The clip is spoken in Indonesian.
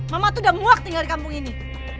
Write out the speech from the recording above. mama tuh udah muak tinggal di kampung ini